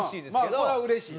まあこれはうれしい？